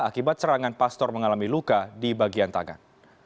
akibat serangan pastor mengalami luka di bagian tangan